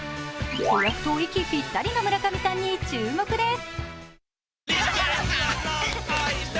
子役と息ぴったりの村上さんに注目です。